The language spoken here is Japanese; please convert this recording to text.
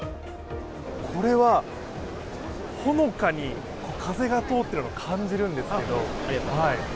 これは、ほのかに風が通っているのを感じるんですけど。